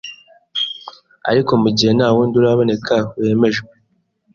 Ariko mu gihe nta wundi uraboneka wemejwe,